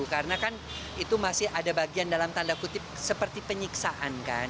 karena kan itu masih ada bagian dalam tanda kutip seperti penyiksaan kan